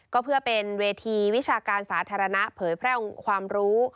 ก็เพื่อเป็นเวทีวิชาการสาธารณะเผยแพร่ความรู้